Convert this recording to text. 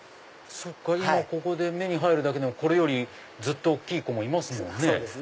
今ここで目に入るだけでもこれよりずっと大きい子もいますもんね。